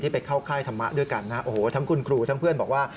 ไปเข้าค่ายธรรมะด้วยกันนะโอ้โหทั้งคุณครูทั้งเพื่อนบอกว่า